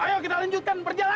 ayo kita lanjutkan berjalan